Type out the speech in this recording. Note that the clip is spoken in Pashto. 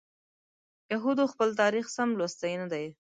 یهودو خپل تاریخ سم لوستی نه دی.